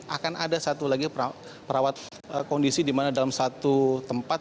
akan ada satu lagi perawat kondisi di mana dalam satu tempat